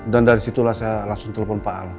dan dari situlah saya langsung telepon pak al